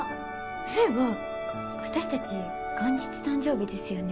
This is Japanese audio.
そういえば私たち元日誕生日ですよね。